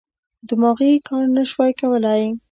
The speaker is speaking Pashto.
دماغي کار نه شوای کولای.